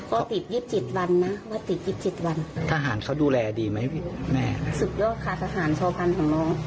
ก็ติดยี่สิบเจ็ดวันนะว่าติด๒๗วันทหารเขาดูแลดีไหมพี่แม่ค่ะสุดยอดค่ะทหารชอพันธุ์ของน้อง